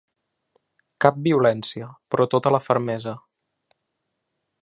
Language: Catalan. Cap violència, però tota la fermesa.